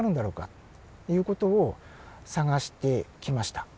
いう事を探してきました。